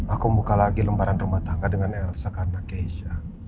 aku membuka lagi lembaran rumah tangga dengan elsa karena keisha